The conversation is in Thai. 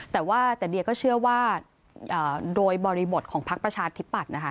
แต่เดี๋ยวก็เชื่อว่าโดยบริบทของพักประชาธิปัตย์